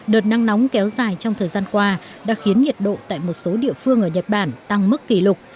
đợt nắng nóng kéo dài trong thời gian qua đã khiến nhiệt độ tại một số địa phương ở nhật bản tăng mức kỷ lục